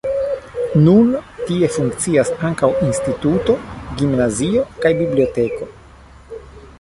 Nun tie funkcias ankaŭ instituto, gimnazio kaj biblioteko.